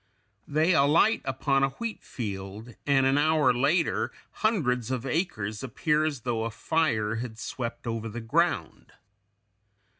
They alight upon a wheat field, and an hour later hundreds of acres appear as though a fire had swept over the ground.